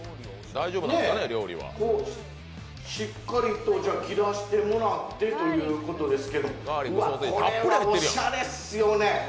しっかりと切らしてもらってということですけどうわっ、これ、おしゃれっすよね。